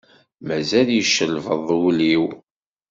Mazal yeccelbeḍ wul-iw.